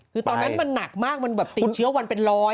คือตอนนั้นมันหนักมากมันแบบติดเชื้อวันเป็นร้อย